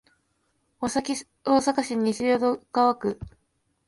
大阪市西淀川区